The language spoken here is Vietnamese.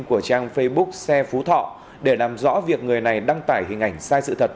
của trang facebook xe phú thọ để làm rõ việc người này đăng tải hình ảnh sai sự thật